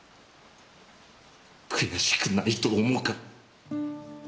悔しくないと思うか？